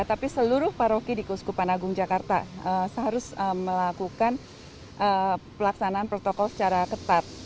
tapi seluruh paroki di kuskupan agung jakarta seharusnya melakukan pelaksanaan protokol secara ketat